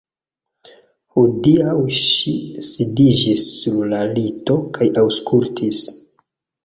Hodiaŭ ŝi sidiĝis sur la lito kaj aŭskultis.